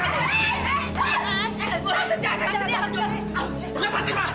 kenapa sih mas